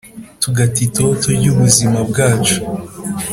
Tugata itoto ry’ubuzima bwacu